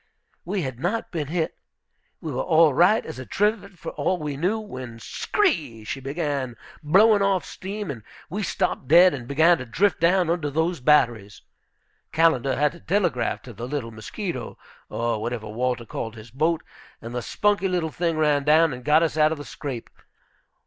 We had not been hit. We were all right as a trivet for all we knew, when, skree! she began blowing off steam, and we stopped dead, and began to drift down under those batteries. Callender had to telegraph to the little Mosquito, or whatever Walter called his boat, and the spunky little thing ran down and got us out of the scrape.